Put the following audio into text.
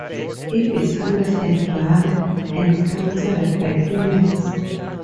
It is harmless and rarely encountered by humans.